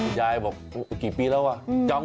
คุณยายบอกเป็นกี่ปีแล้วละ